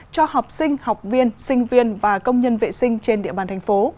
cho học sinh học viên sinh viên và công nhân vệ sinh trên địa bàn thành phố